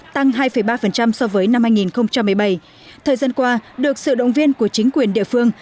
tăng hai ba so với năm hai nghìn một mươi bảy thời gian qua được sự động viên của chính quyền địa phương